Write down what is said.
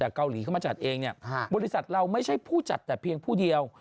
เกาหลีเข้ามาจัดเองเนี่ยบริษัทเราไม่ใช่ผู้จัดแต่เพียงผู้เดียว